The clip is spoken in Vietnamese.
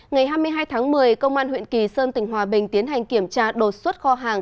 ngày hai mươi hai tháng một mươi công an huyện kỳ sơn tỉnh hòa bình tiến hành kiểm tra đột xuất kho hàng